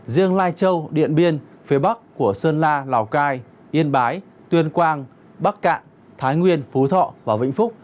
riêng lai châu điện biên phía bắc của sơn la lào cai yên bái tuyên quang bắc cạn thái nguyên phú thọ và vĩnh phúc